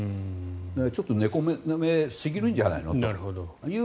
ちょっと猫の目すぎるんじゃないのと。